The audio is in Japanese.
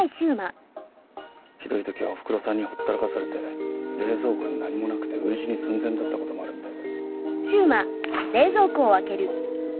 ひどいときはおふくろさんにほったらかされて冷蔵庫に何もなくて飢え死に寸前だったこともあるみたいで。